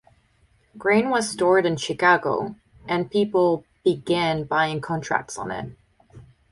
Grain was stored in Chicago, and people began buying contracts on it.